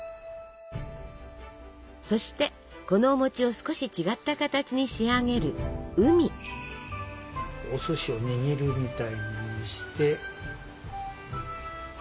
そしてこのお餅を少し違った形に仕上げるお寿司を握るみたいにして。